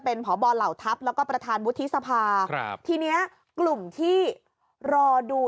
เป็นพบเหล่าทัพแล้วก็ประธานวุฒิสภาครับทีนี้กลุ่มที่รอดู